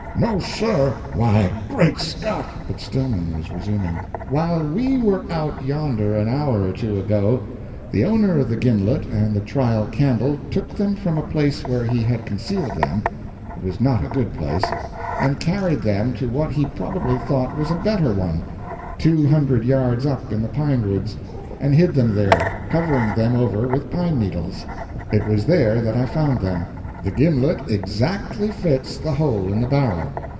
"No, sir! Why, great Scott " But Stillman was resuming: "While we were out yonder an hour or two ago, the owner of the gimlet and the trial candle took them from a place where he had concealed them it was not a good place and carried them to what he probably thought was a better one, two hundred yards up in the pine woods, and hid them there, covering them over with pine needles. It was there that I found them. The gimlet exactly fits the hole in the barrel.